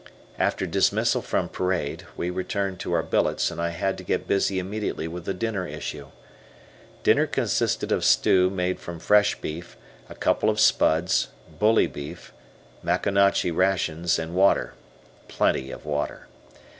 After dismissal from parade, we returned to our billets, and I had to get busy immediately with the dinner issue. Dinner consisted of stew made from fresh beef, a couple of spuds, bully beef, Maconochie rations and water, plenty of water.